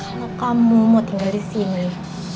kalau kamu mau tinggal di sini